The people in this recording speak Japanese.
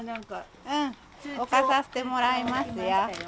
置かさせてもらいますよ。